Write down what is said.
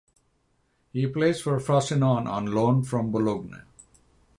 He plays for Frosinone on loan from Bologna.